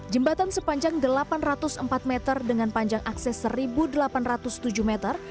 jembatan sepanjang delapan ratus empat meter dengan panjang akses satu delapan ratus tujuh meter